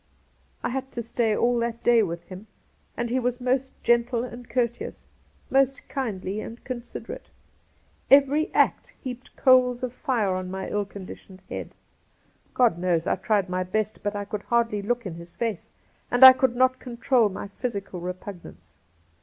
I had to stay all that day with him, and he was most gentle and courteous ; most kindly and considerate. Every act heaped coals of fire on my ill conditioned head. God knows I tried my best, but I could hardly look in his face, and I could not control my physical repugnance.